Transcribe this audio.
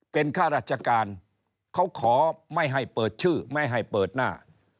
เป็นข้าราชการเขาขอไม่ให้เปิดชื่อไม่ให้เปิดหน้า